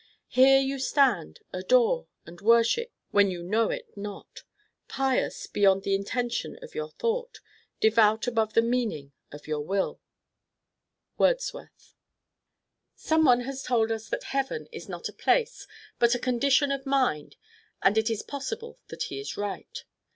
Here you stand, Adore and worship, when you know it not; Pious beyond the intention of your thought; Devout above the meaning of your will. Wordsworth [Illustration: WILLIAM WORDSWORTH] Some one has told us that Heaven is not a place but a condition of mind, and it is possible that he is right.